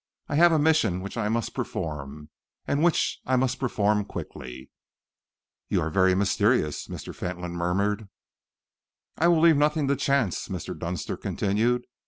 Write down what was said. I have a mission which I must perform, and which I must perform quickly." "You are very mysterious," Mr. Fentolin murmured. "I will leave nothing to chance," Mr. Dunster continued.